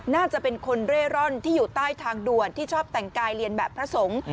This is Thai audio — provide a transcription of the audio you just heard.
น่าจะเป็นคนเร่ร่อนที่อยู่ใต้ทางด่วนที่ชอบแต่งกายเรียนแบบพระสงฆ์